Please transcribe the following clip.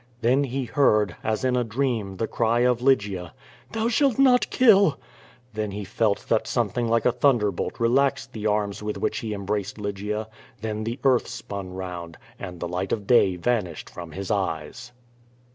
Then he heard, as in a dream, the cry of Lygia "Thou shalt not kill!" Then he felt that something like a thunderbolt relaxed the arms with which he embraced Lygia; then the earth spun round, and the light of day vanished from his eyes.